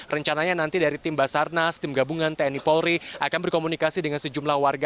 rencananya nanti dari tim basarnas tim gabungan tni polri akan berkomunikasi dengan sejumlah warga